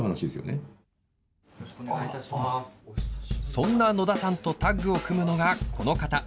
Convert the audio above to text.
そんな野田さんとタッグを組むのがこの方。